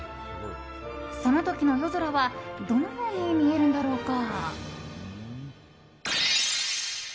その時の夜空はどのように見えるのだろうか。